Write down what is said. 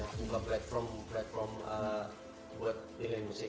buka platform platform buat pilihan musik